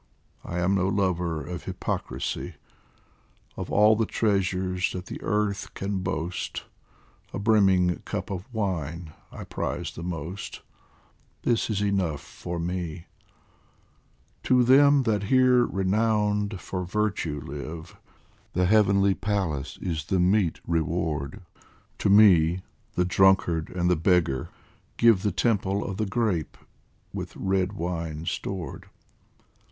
I am no lover of hypoci isy ; Of all the treasures that the earth can boast, A brimming cup of wine I prize the most This is enough for me ! To them that here renowned for virtue live, A heavenly palace is the meet reward ; To me, the drunkard and the beggar, give The temple of the grape with red wine stored